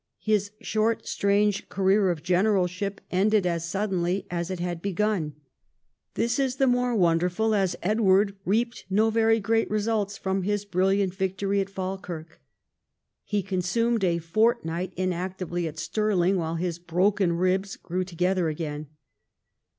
His short strange career of general ship ended as suddenly as it had begun. This is the more Avonderful as Edward reaped no very great results from his brilliant victory at Falkirk. He consumed a fortnight inactively at Stirling, while his broken ribs grew together again.